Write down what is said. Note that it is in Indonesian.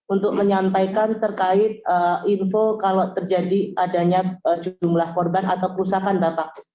untuk menyampaikan terkait info kalau terjadi adanya jumlah korban atau kerusakan bapak